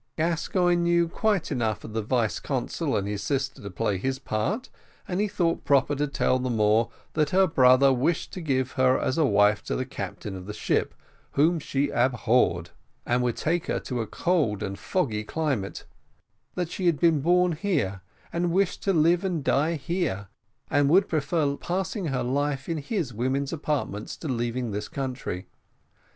Gascoigne knew quite enough of the vice consul and his sister to play his part and he thought proper to tell the Moor that her brother wished to give her as wife to the captain of the ship, whom she abhorred, and would take her to a cold and foggy climate; that she had been born here, and wished to live and die here, and would prefer passing her life in his women's apartments, to leaving this country.